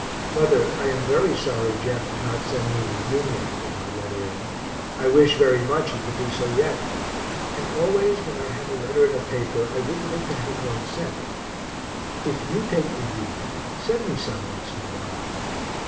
Mother, I am very sorry Jeff did not send me the Union with my letter in I wish very much he could do so yet; and always when I have a letter in a paper I would like to have one sent. If you take the Union, send me some once in a while.